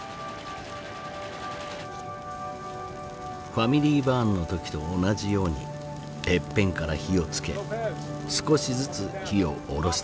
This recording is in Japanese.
ＦａｍｉｌｙＢｕｒｎの時と同じようにてっぺんから火を付け少しずつ火を下ろしていく。